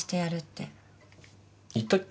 言ったっけ？